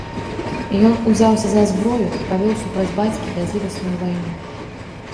Ён узяўся за зброю і павёў супраць бацькі бязлітасную вайну.